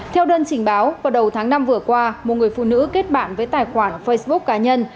theo đơn trình báo vào đầu tháng năm vừa qua một người phụ nữ kết bạn với tài khoản facebook cá nhân